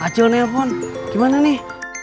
acil nih yang telepon gimana nih